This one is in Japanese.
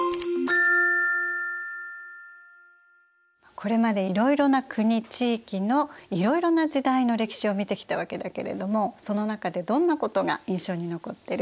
これまでいろいろな国地域のいろいろな時代の歴史を見てきたわけだけれどもその中でどんなことが印象に残ってる？